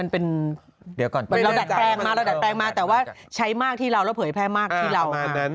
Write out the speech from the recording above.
มันเป็นเดี๋ยวก่อนเราได้แพลงมาแต่ว่าใช้มากที่แล้วและเพลิงให้แพลงมากที่เรา